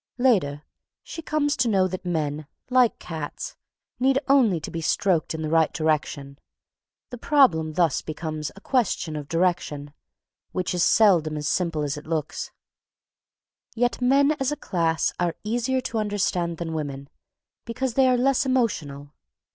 Later, she comes to know that men, like cats, need only to be stroked in the right direction. The problem thus becomes a question of direction, which is seldom as simple as it looks. [Sidenote: The Personal Equation] Yet men, as a class, are easier to understand than women, because they are less emotional.